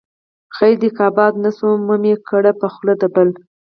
خير دى که آباد نه شوم، مه مې کړې په خوله د بل